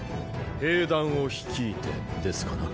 兵団を率いてですかな？